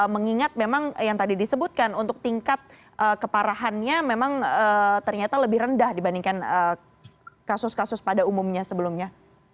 mengingat memang yang tadi disebutkan untuk tingkat keparahannya memang ternyata lebih rendah dibandingkan kasus kasus pada umumnya sebelumnya